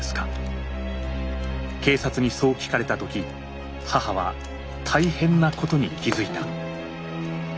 警察にそう聞かれた時母は大変なことに気づいた。